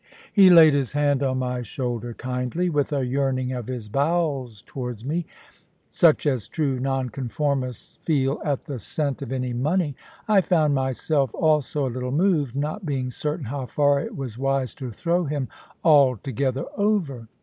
He laid his hand on my shoulder kindly, with a yearning of his bowels towards me, such as true Nonconformists feel at the scent of any money. I found myself also a little moved, not being certain how far it was wise to throw him altogether over.